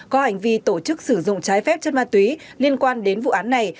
có hành vi tổ chức sử dụng trái phép chất ma túy liên quan đến vụ án này